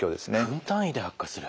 分単位で悪化する。